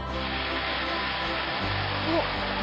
おっ！